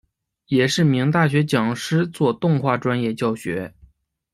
也是名大学讲师做动画专业教学。